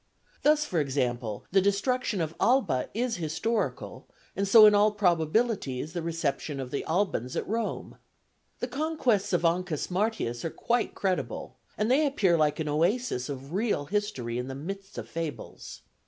Thus, for example, the destruction of Alba is historical, and so in all probability is the reception of the Albans at Rome. The conquests of Ancus Martius are quite credible; and they appear like an oasis of real history in the midst of fables.